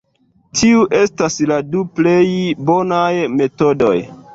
Tiu estas la du plej bonaj metodoj.